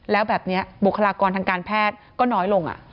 แล้วแบบนี้บุคลากรทางการแพทย์ก็น้อยลง